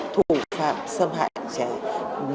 thủ phạm xâm hại trẻ em